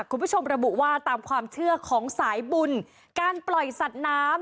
คุณผู้ชมระบุว่าตามความเชื่อของสายบุญการปล่อยสัตว์น้ำ